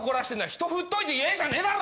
人振っといてイエイじゃねえだろ